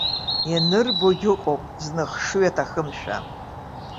Ианырбогь ыҟоуп зны хшыҩ аҭахымшәа.